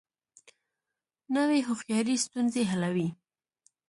نوې هوښیاري ستونزې حلوي